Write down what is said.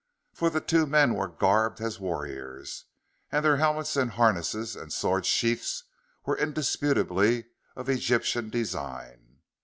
For the two men were garbed as warriors, and their helmets and harness and sword sheaths were indisputably of Egyptian design.